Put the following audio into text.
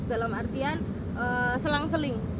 dalam artian selang seling